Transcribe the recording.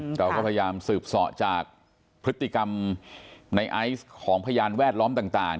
เราก็พยายามสืบส่อจากพฤติกรรมในไอซ์ของพยานแวดล้อมต่าง